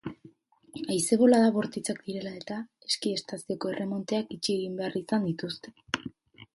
Haize bolada bortitzak direla-eta, eski estazioko erremonteak itxi egin behar izan dituzte.